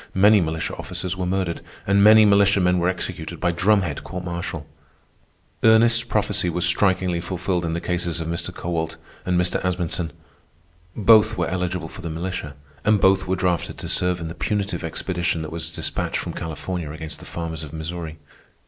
Many militia officers were murdered, and many militiamen were executed by drumhead court martial. Ernest's prophecy was strikingly fulfilled in the cases of Mr. Kowalt and Mr. Asmunsen. Both were eligible for the militia, and both were drafted to serve in the punitive expedition that was despatched from California against the farmers of Missouri.